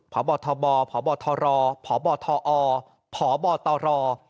ผอบธบผอบธรผอบธอผอบธร